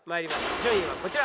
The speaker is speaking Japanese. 順位はこちら。